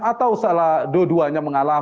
atau salah dua duanya mengalami